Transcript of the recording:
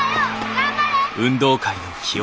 頑張れ！